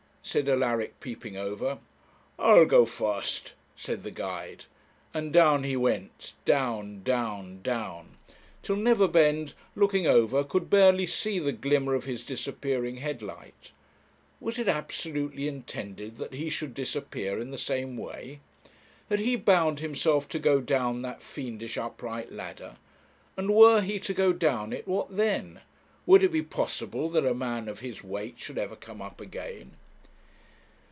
said Alaric peeping over. 'I'll go first,' said the guide; and down he went, down, down, down, till Neverbend looking over, could barely see the glimmer of his disappearing head light. Was it absolutely intended that he should disappear in the same way? Had he bound himself to go down that fiendish upright ladder? And were he to go down it, what then? Would it be possible that a man of his weight should ever come up again?